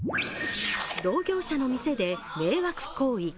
同業者の店で迷惑行為。